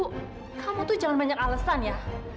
kamu tuh jangan banyak alesan ya